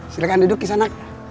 silahkan duduk kisah nak